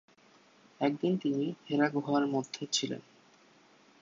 একদিন তিনি হেরা গুহার মধ্যে ছিলেন।